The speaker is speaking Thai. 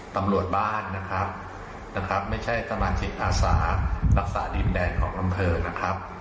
ตำรวจบ้านนะครับนะครับไม่ใช่สมาชิกอาสารักษาดินแดนของอำเภอนะครับ